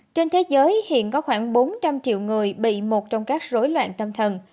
trên thế giới hiện có khoảng bốn trăm linh triệu người bị một trong các rối loạn tâm thần